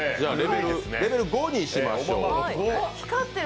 レベル５にしましょう。